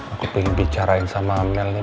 aku pengen bicarain sama mel nih